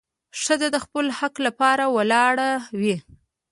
ښځه د خپل حق لپاره ولاړه وي.